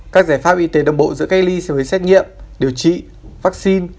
các giải pháp y tế đồng bộ giữa cây ly sẽ với xét nghiệm điều trị vaccine